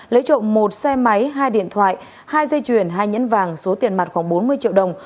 lấy trộm một xe máy hai điện thoại hai dây chuyền hai nhẫn vàng số tiền mặt khoảng bốn mươi triệu đồng